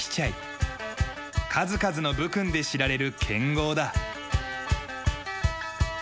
数々の武勲で知られる剣豪だ。